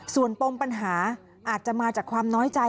ส่วนปมปัญหาอาจจะมาจากความน้อยใจ